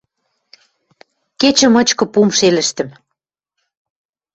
Кечӹ мычкы пум шелӹштӹм.